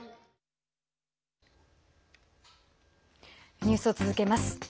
ニュースを続けます。